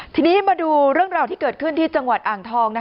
ทีนี้มาดูเรื่องราวที่เกิดขึ้นที่จังหวัดอ่างทอง